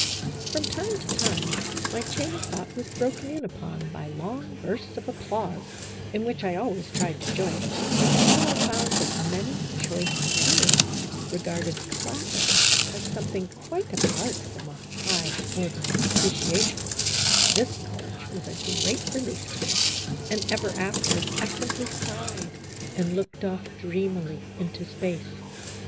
1 8 A HYPOCRITICAL ROMANCE. From time to time, my chain of thought was broken in upon by long bursts of applause, in which I always tried to join, until I found that many choice spirits regarded clapping as something quite apart from a high order of appreciation ; this knowl edge was a great relief to me, and, ever after, I sim ply sighed and looked off dreamily into space.